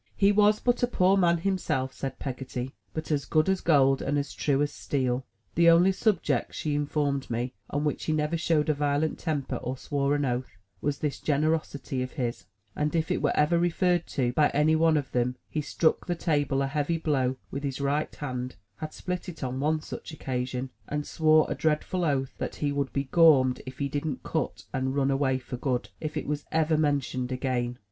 He was but a poor man him self, said Peggotty, but as good as gold and as true as steel. The only subject, she informed ms, on which he ever showed a violent temper or swore an oath, was this generosity of his; and if it were ever referred to, by any one of them, he struck the table a heavy blow with his right hand (had split it on one such occasion), and swore a dreadful oath that he would be "gormed" if he didn't cut and run away for good, if it was ever mentioned again.